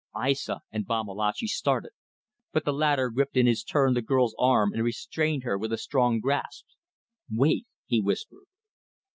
Aissa and Babalatchi started, but the latter gripped in his turn the girl's arm and restrained her with a strong grasp. "Wait," he whispered.